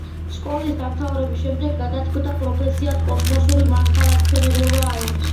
სკოლის დამთავრების შემდეგ გადაწყვიტა პროფესიად კოსმოსური მანქანათმშენებლობა აერჩია.